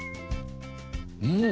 うん！